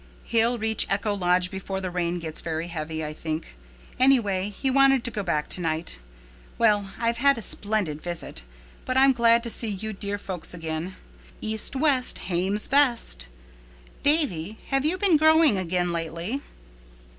"He'll reach Echo Lodge before the rain gets very heavy, I think. Anyway, he wanted to go back tonight. Well, I've had a splendid visit, but I'm glad to see you dear folks again. 'East, west, hame's best.' Davy, have you been growing again lately?"